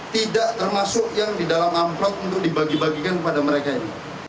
tidak termasuk yang di dalam amplop untuk dibagi bagikan kepada mereka ini